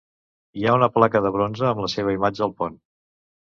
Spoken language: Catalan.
Hi ha una placa de bronze amb la seva imatge al pont.